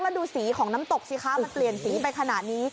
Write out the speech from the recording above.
แล้วดูสีของน้ำตกสิคะมันเปลี่ยนสีไปขนาดนี้